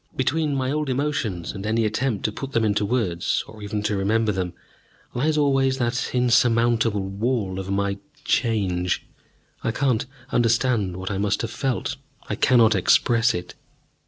Between my old emotions and any attempt to put them into words, or even to remember them, lies always that insurmountable wall of my Change. I cannot understand what I must have felt, I cannot express it.